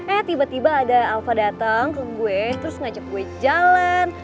eh tiba tiba ada alfa datang ke gue terus ngajak gue jalan